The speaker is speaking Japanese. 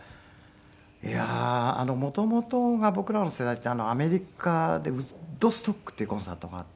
いやー元々が僕らの世代ってアメリカで「ウッドストック」っていうコンサートがあって。